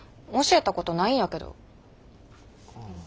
教えたことないんやけど。